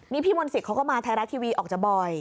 นี่พี่มนศิษย์เขาก็มาไทยรัฐทีวีออกจะบ่อย